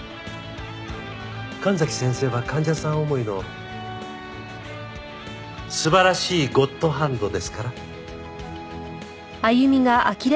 神崎先生は患者さん思いの素晴らしいゴッドハンドですから。